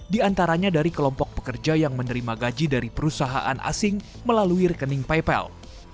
diantaranya dari kelompok pekerja yang menerima gaji dari perusahaan asing melalui rekening paypal